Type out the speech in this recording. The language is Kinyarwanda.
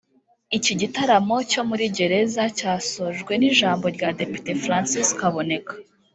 Iki gitaramo cyo muri gereza cyasojwe n’ijambo rya Depite Francis Kaboneka